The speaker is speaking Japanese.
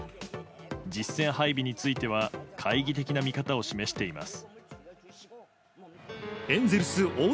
実戦配備については懐疑的な見方を示しています。